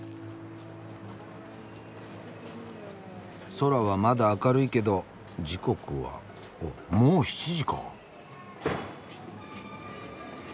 空はまだ明るいけど時刻はおっもう７時か。